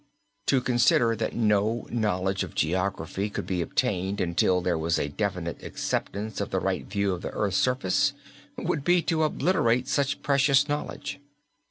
To consider that no knowledge of geography could be obtained until there was a definite acceptance of the right view of the earth's surface, would be to obliterate much precious knowledge.